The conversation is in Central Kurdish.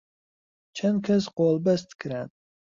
چەند کەس قۆڵبەست کران